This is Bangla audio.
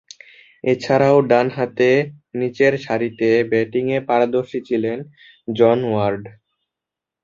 এছাড়াও, ডানহাতে নিচেরসারিতে ব্যাটিংয়ে পারদর্শী ছিলেন জন ওয়ার্ড।